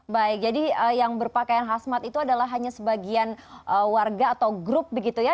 baik jadi yang berpakaian hasmat itu adalah hanya sebagian warga atau grup begitu ya